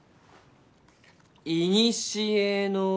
「いにしへの」。